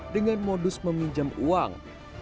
dengan modus meminjam uang